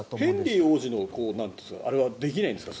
ヘンリー王子のあれはできないんですか？